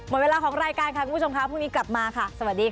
หมดเวลาของรายการค่ะคุณผู้ชมค่ะพรุ่งนี้กลับมาค่ะสวัสดีค่ะ